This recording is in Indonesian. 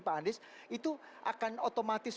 pak andis itu akan otomatis